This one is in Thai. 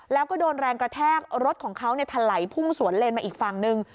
แล้วก็โดนแรงกระแทกรถของเขาถลายพุ่งสวนเลนมาอีกฝั่งหนึ่ง